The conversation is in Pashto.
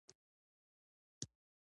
راتلونکۍ اونۍ سفر کوم